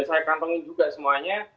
saya kantongin juga semuanya